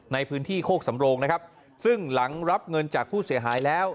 ในพื้นที่โคกสำโรงนะครับซึ่งหลังรับเงินจากผู้เสียหายแล้ว